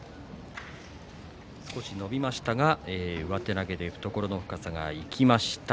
少し伸びましたが上手投げで懐の深さが生きました。